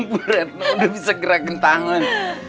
bu retno udah bisa gerakkan tangan